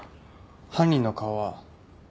犯人の顔は？